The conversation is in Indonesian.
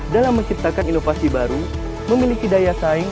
dalam menciptakan inovasi baru memiliki daya saing